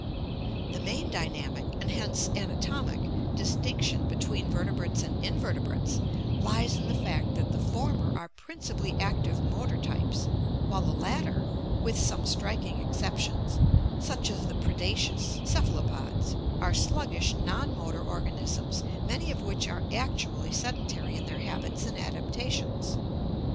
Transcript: The main dynamic, and hence anatomic, distinction between vertebrates and invertebrates lies in the fact that the former are principally active motor types, while the latter, with some strik ing exceptions, such as the predaceous cephalopods, are sluggish non motor organisms many of which are actually sedentary in their habits and adaptations.